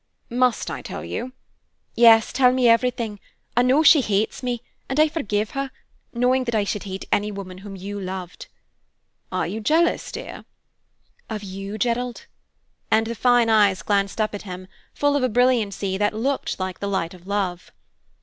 "Must I tell you?" "Yes, tell me everything. I know she hates me and I forgive her, knowing that I should hate any woman whom you loved." "Are you jealous, dear?" "Of you, Gerald?" And the fine eyes glanced up at him, full of a brilliancy that looked like the light of love.